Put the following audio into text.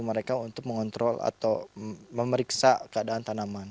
mereka untuk mengontrol atau memeriksa keadaan tanaman